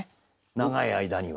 長い間には。